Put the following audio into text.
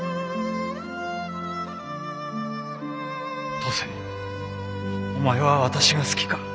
登勢お前は私が好きか？